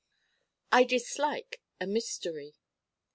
'I DISLIKE A MYSTERY.'